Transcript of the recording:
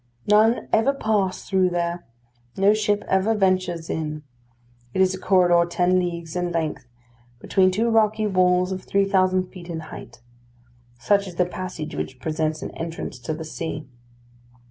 None ever pass through there; no ship ever ventures in. It is a corridor ten leagues in length, between two rocky walls of three thousand feet in height. Such is the passage which presents an entrance to the sea.